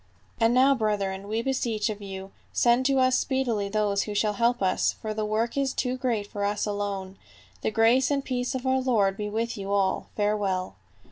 "And now, brethren, we beseech of you, send to us speedily those who shall help us, for the work is too great for us alone. " The grace and peace of our Lord be with you all. Farewell."